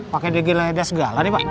pake degileh segala nih pak